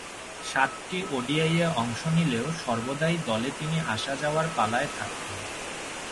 সাতটি ওডিআইয়ে অংশ নিলেও সর্বদাই দলে তিনি আসা-যাওয়ার পালায় থাকতেন।